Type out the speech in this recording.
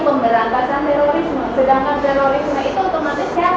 makanya mereka menjadi sasaran juga